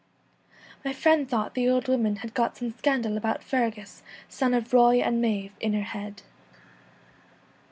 My friend thought the old woman had got some scandal about Fergus son of Roy and Maive in her head.